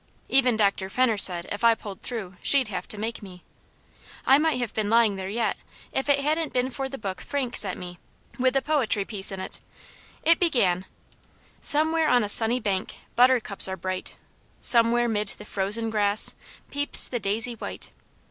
Even Dr. Fenner said if I pulled through she'd have to make me. I might have been lying there yet, if it hadn't been for the book Frank sent me, with the poetry piece in it. It began: "Somewhere on a sunny bank, buttercups are bright, Somewhere 'mid the frozen grass, peeps the daisy white."